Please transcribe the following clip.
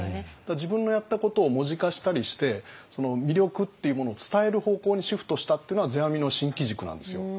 自分のやったことを文字化したりして魅力っていうものを伝える方向にシフトしたっていうのは世阿弥の新機軸なんですよ。